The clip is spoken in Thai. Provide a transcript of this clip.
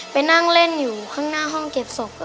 ไปนั่งเล่นอยู่ข้างหน้าห้องเก็บศพ